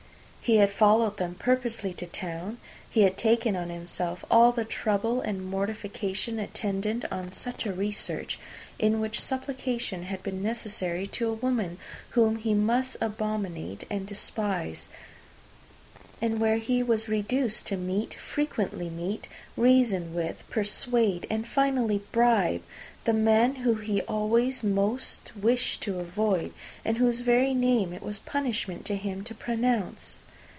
He had followed them purposely to town, he had taken on himself all the trouble and mortification attendant on such a research; in which supplication had been necessary to a woman whom he must abominate and despise, and where he was reduced to meet, frequently meet, reason with, persuade, and finally bribe the man whom he always most wished to avoid, and whose very name it was punishment to him to pronounce.